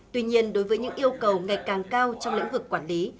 tuy nhiên đối với những yêu cầu ngày càng cao trong lĩnh vực quản lý